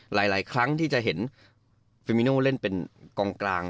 หลายครั้งที่จะเห็นฟิมิโนเล่นเป็นกองกลาง